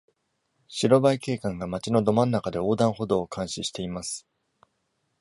白バイ警官が街のど真ん中で横断歩道を監視しています。